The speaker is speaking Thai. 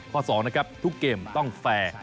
๒นะครับทุกเกมต้องแฟร์